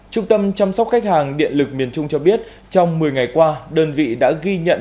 trung tâm chăm sóc khách hàng điện lực miền trung cho biết trong một mươi ngày qua đơn vị đã ghi nhận